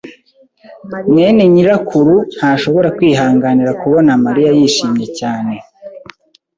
mwene nyirakuru ntashobora kwihanganira kubona Mariya yishimye cyane.